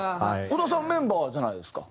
小田さんメンバーじゃないですか。